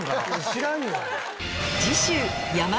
知らんよ。